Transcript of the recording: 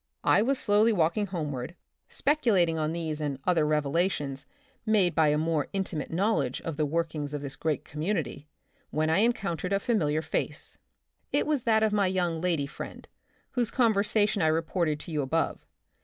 I was slowly walking homeward^ speculating 'iv.\.^«k*^v 83 The Republic of the Future, on these and other revelations made by a more intimate knowledge of the workings of this great community, when I encountered a familiar face. It was that of my young lady friend, whose conversation I reported to you above.